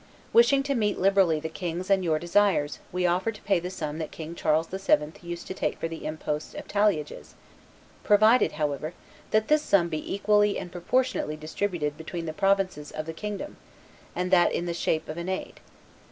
... Wishing to meet liberally the king's and your desires, we offer to pay the sum that King Charles VII. used to take for the impost of talliages, provided, however, that this sum be equally and proportionately distributed between the provinces of the kingdom, and that in the shape of an aid.